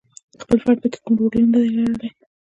خپله فرد پکې کوم رول ندی لرلای.